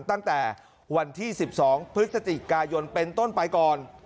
ตั้งแต่วันที่๑๒พฤศจิกายนเป็นต้นไปก่อน